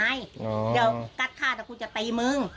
เดี๋ยวกัดฆ่าแต่กูจะตีมึง